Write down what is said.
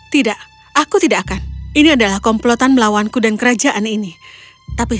tidak aku tidak akan ini adalah komplotan melawanku dan kerajaan ini tapi